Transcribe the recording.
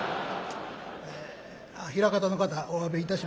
あ枚方の方おわびいたしますけども。